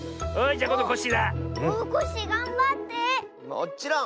もっちろん！